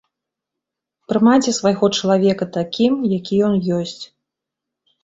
Прымайце свайго чалавека такім, які ён ёсць.